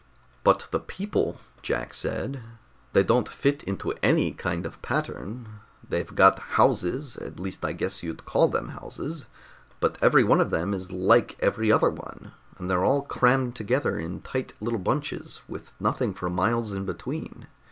"But the people!" Jack said. "They don't fit into any kind of pattern. They've got houses at least I guess you'd call them houses but every one of them is like every other one, and they're all crammed together in tight little bunches, with nothing for miles in between.